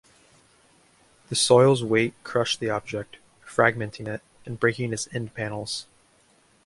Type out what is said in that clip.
The soil's weight crushed the object, fragmenting it and breaking its end panels.